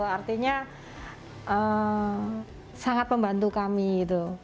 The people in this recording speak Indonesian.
artinya sangat membantu kami gitu